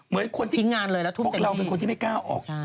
เหมือนคนที่พวกเราเป็นคนที่ไม่กล้าออก